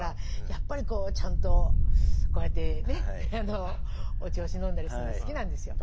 やっぱりちゃんとこうやってねお銚子飲んだりするの好きなんですよ。